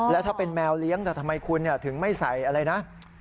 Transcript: แล้วถ้าเป็นแมวเลี้ยงแต่ทำไมคุณถึงไม่ใส่อะไรนะ